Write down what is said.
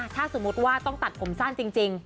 ถ้าสมมุติว่าต้องตัดผมสั้นจริง